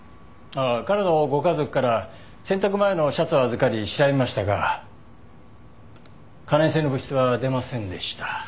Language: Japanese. ああ彼のご家族から洗濯前のシャツを預かり調べましたが可燃性の物質は出ませんでした。